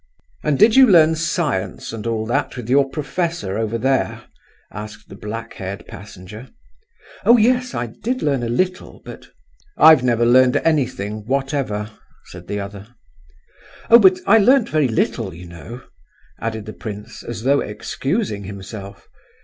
"And did you learn science and all that, with your professor over there?" asked the black haired passenger. "Oh yes—I did learn a little, but—" "I've never learned anything whatever," said the other. "Oh, but I learned very little, you know!" added the prince, as though excusing himself.